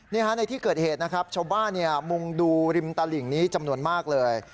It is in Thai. ในที่เกิดเหตุนะครับชาวบ้านมุงดูริมตลิ่งนี้จำนวนมากเลย